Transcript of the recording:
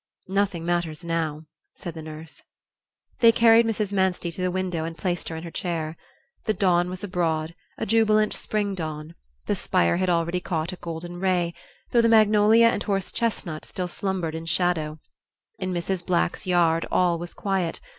"Nothing matters now," said the nurse. They carried Mrs. Manstey to the window and placed her in her chair. The dawn was abroad, a jubilant spring dawn; the spire had already caught a golden ray, though the magnolia and horse chestnut still slumbered in shadow. In Mrs. Black's yard all was quiet.